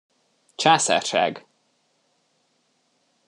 Császárság!